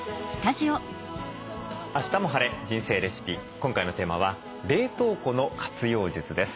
今回のテーマは冷凍庫の活用術です。